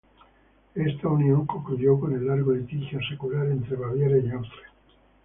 Esta unión concluyó con el largo litigio secular entre Baviera y Austria.